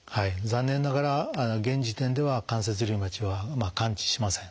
残念ながら現時点では関節リウマチは完治しません。